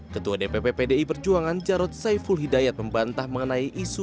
ketua dpp pdi perjuangan jarod saiful hidayat membantah mengenai isu